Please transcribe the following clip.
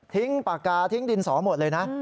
ปากกาทิ้งดินสอหมดเลยนะ